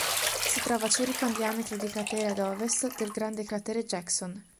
Si trova a circa un diametro di cratere ad ovest del grande cratere Jackson.